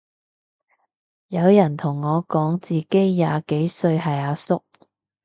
有人同我講自己廿幾歲係阿叔